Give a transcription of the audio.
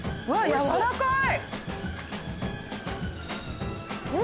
やわらかい！